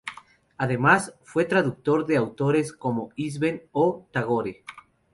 Además, fue traductor de autores como Ibsen o Tagore.